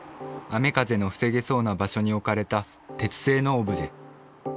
雨風の防げそうな場所に置かれた鉄製のオブジェ。